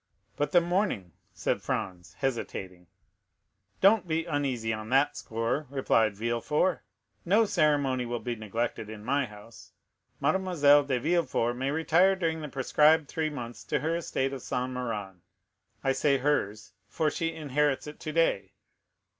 "But the mourning?" said Franz, hesitating. "Don't be uneasy on that score," replied Villefort; "no ceremony will be neglected in my house. Mademoiselle de Villefort may retire during the prescribed three months to her estate of Saint Méran; I say hers, for she inherits it today.